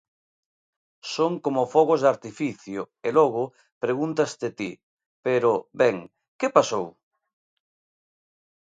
Son como fogos de artificio e logo pregúntaste ti: pero, ben, que pasou?